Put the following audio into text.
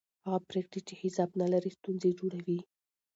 هغه پرېکړې چې حساب نه لري ستونزې جوړوي